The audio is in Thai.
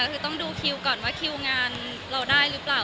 คือต้องดูคิวก่อนว่าคิวงานเราได้หรือเปล่า